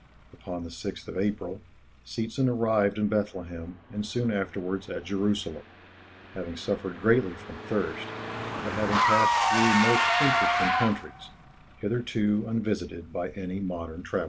Upon the 6th of April, Seetzen arrived in Bethlehem, and soon afterwards at Jerusalem, having suffered greatly from thirst, but having passed through most interesting countries, hitherto unvisited by any modern traveller.